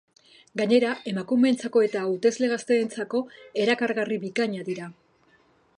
Gainera, emakumeentzako eta hautesle gazteenentzako erakargarri bikaina dira.